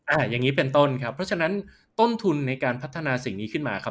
อย่างนี้เป็นต้นครับเพราะฉะนั้นต้นทุนในการพัฒนาสิ่งนี้ขึ้นมาครับ